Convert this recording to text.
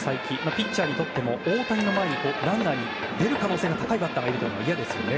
ピッチャーにとっても大谷の前にランナーに出る可能性の高いバッターいるのは嫌ですよね。